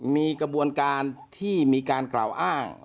มีกระบวนการที่มีการกล่าวอ้าง